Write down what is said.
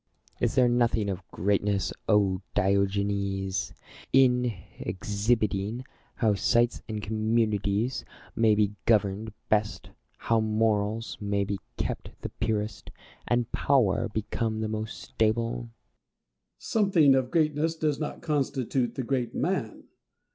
Plato. Is there nothing of greatness, Diogenes ! in exhibiting how cities and communities may be governed best, how morals may be kept the purest, and power become the most stable ? Diogenes. Something of greatness does not constitute the great man.